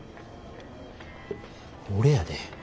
俺やで？